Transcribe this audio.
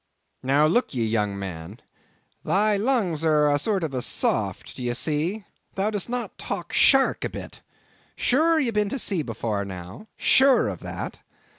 "Look ye now, young man, thy lungs are a sort of soft, d'ye see; thou dost not talk shark a bit. Sure, ye've been to sea before now; sure of that?"